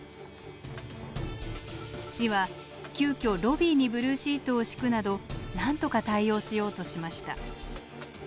市は急きょロビーにブルーシートを敷くなどなんとか対応しようとしました。